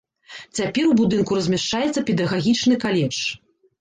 Цяпер у будынку размяшчаецца педагагічны каледж.